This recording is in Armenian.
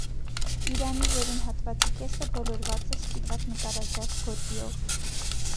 Իրանի վերին հատվածի կեսը բոլորված է սպիտակ նկարազարդ գոտիով։